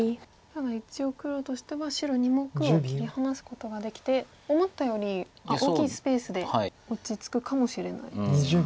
ただ一応黒としては白２目を切り離すことができて思ったよりは大きいスペースで落ち着くかもしれないですか。